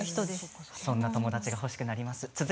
そんな友達が欲しくなります。